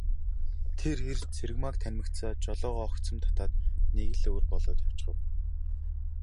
Тэр эр Цэрэгмааг танимагцаа жолоогоо огцом татаад нэг л өөр болоод явчхав.